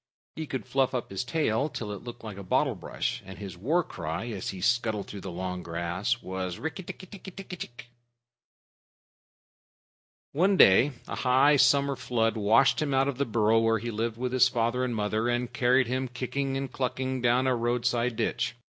He could fluff up his tail till it looked like a bottle brush, and his war cry as he scuttled through the long grass was: "Rikk tikk tikki tikki tchk!" One day, a high summer flood washed him out of the burrow where he lived with his father and mother, and carried him, kicking and clucking, down a roadside ditch.